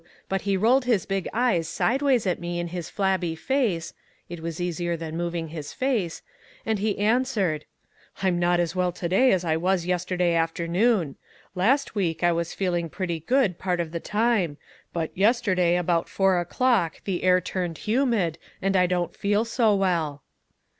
but he rolled his big eyes sideways at me in his flabby face (it was easier than moving his face) and he answered: "I'm not as well to day as I was yesterday afternoon. Last week I was feeling pretty good part of the time, but yesterday about four o'clock the air turned humid, and I don't feel so well."